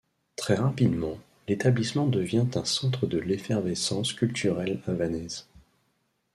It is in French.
Très rapidement, l’établissement devient un centre de l’effervescence culturelle havanaise.